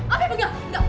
afif enggak enggak